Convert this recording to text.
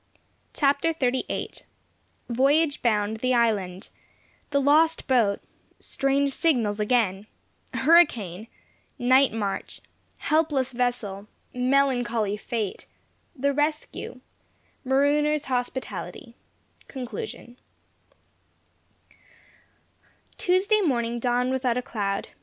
CHAPTER XXXVIII VOYAGE BOUND THE ISLAND THE LOST BOAT STRANGE SIGNALS AGAIN HURRICANE NIGHT MARCH HELPLESS VESSEL MELANCHOLY FATE THE RESCUE MAROONERS' HOSPITALITY CONCLUSION Tuesday morning dawned without a cloud.